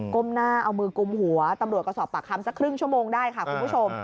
้มหน้าเอามือกุมหัวตำรวจก็สอบปากคำสักครึ่งชั่วโมงได้ค่ะคุณผู้ชม